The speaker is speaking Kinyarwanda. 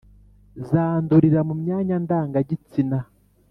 zandurira mu myanya ndangagitsina.